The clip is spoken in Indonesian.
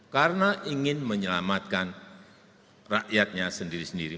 karena ingin menyelamatkan rakyatnya sendiri sendiri